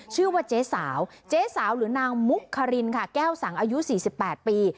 ชื่อว่าเจ๊สาวเจ๊สาวหรือนางมุกคารินค่ะแก้วสังอายุ๔๘ปี